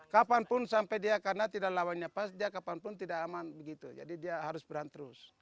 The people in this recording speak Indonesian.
kapanpun sampai dia karena tidak lawannya pas dia kapanpun tidak aman begitu jadi dia harus berani terus